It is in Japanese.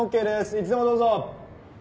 いつでもどうぞ。